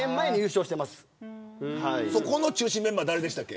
中心メンバー誰でしたっけ。